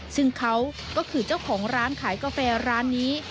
ซึ่งเขาก็คือเจ้าของร้านขายกาแฟร้านนี้